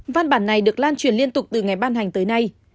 văn bản này được lan truyền liên tục từ ngày ban hành tới nay